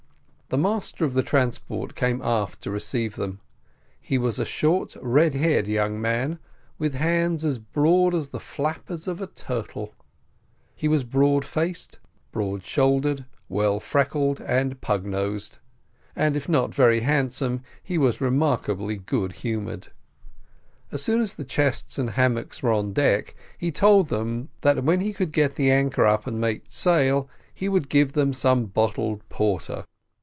The master of the transport came aft to receive them: he was a short red haired young man, with hands as broad as the flappers of a turtle; he was broad faced, broad shouldered, well freckled, pug nosed; but if not very handsome he was remarkably good humoured. As soon as the chests and hammocks were on the deck, he told them that when he could get the anchor up and make sail, he would give them some bottled porter.